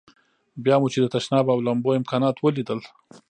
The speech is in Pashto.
بیا مو چې د تشناب او لمبو امکانات ولیدل.